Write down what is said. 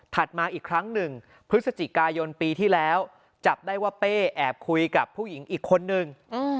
มาอีกครั้งหนึ่งพฤศจิกายนปีที่แล้วจับได้ว่าเป้แอบคุยกับผู้หญิงอีกคนนึง